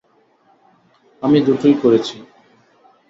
আমি দুটোই করেছি।